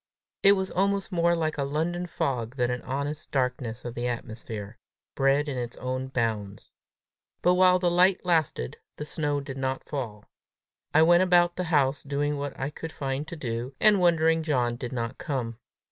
It was almost more like a London fog than an honest darkness of the atmosphere, bred in its own bounds. But while the light lasted, the snow did not fall. I went about the house doing what I could find to do, and wondering John did not come.